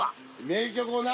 名曲をな。